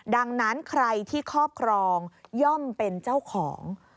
ดังนั้นใครที่ครอบครองย่อมเป็นเจ้าของ